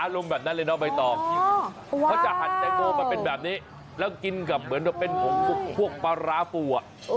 อารมณ์แบบนั้นเลยนะเบนตอแล้วกินกับมันมันเป็นแบบนี้แล้วกินกับเหมือนว่าเป็นหักคลอกปลาร้าฟั่ว